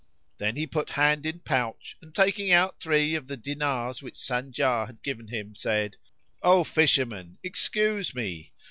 Then he put hand in pouch and, taking out three of the dinars which Sanjar had given him, said, "O fisherman, excuse me.